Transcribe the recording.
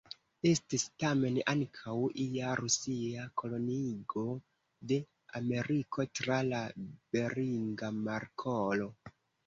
Estis tamen ankaŭ ia Rusia koloniigo de Ameriko tra la Beringa Markolo.